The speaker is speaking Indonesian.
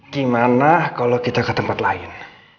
gimana kalau kita ke tempat lain